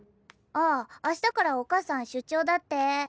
あっ明日からお母さん出張だって。